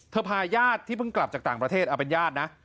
พาญาติที่เพิ่งกลับจากต่างประเทศเอาเป็นญาตินะ